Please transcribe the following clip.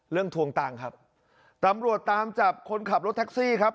ทวงตังค์ครับตำรวจตามจับคนขับรถแท็กซี่ครับ